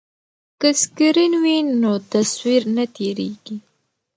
که سکرین وي نو تصویر نه تیریږي.